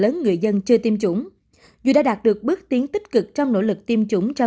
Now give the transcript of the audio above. lớn người dân chưa tiêm chủng dù đã đạt được bước tiến tích cực trong nỗ lực tiêm chủng cho